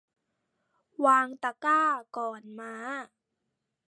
วางตะกร้าก่อนม้า